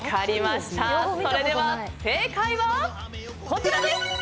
それでは正解はこちらです！